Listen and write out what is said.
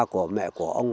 của mẹ của ông